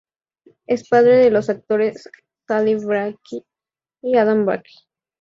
Es padre de los actores Saleh Bakri y Adam Bakri.